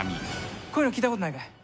こういうの聞いたことないかい？